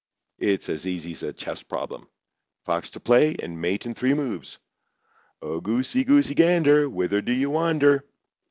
It's as easy as a chess problem—fox to play, and mate in three moves. Oh, goosey, goosey, gander, whither do you wander?